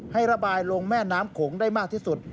ให้ระบายลงแม่น้ำโขงได้มากที่สุด